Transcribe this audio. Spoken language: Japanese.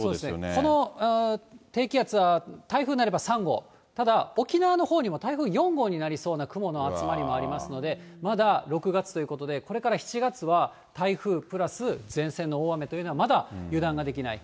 この低気圧は、台風になれば３号、ただ沖縄のほうにも台風４号になりそうな雲の集まりもありますので、まだ６月ということで、これから７月は台風プラス前線の大雨というのは、まだ油断ができない。